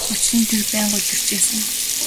Учир нь тэр байнга улирч байсан.